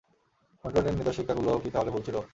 মনিটরের নির্দেশিকাগুলো কি তাহলে ভুল ছিল?